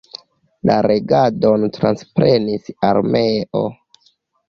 La regadon transprenis armeo.